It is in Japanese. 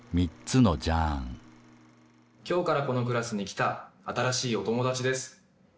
今日からこのクラスに来た新しいお友達です。